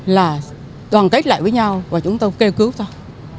là đoàn kết lại với nhau và chúng tôi kêu cứu thôi